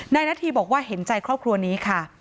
นาธีบอกว่าเห็นใจครอบครัวนี้ค่ะ